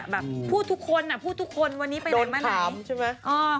แบบพูดทุกคนพูดทุกคนวันนี้ไปไหนมาไหนใช่ไหม